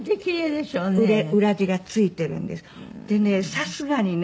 さすがにね